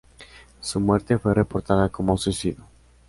Su muerte fue reportada como suicidio.